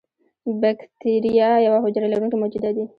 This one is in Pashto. بکتیریا یوه حجره لرونکي موجودات دي.